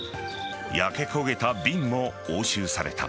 焼け焦げた瓶も押収された。